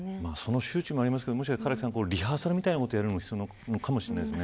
周知もありますけどリハーサルみたいなことをやるのも必要かもしれないですね。